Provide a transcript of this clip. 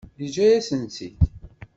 Yeǧǧa-yasen-tt-id.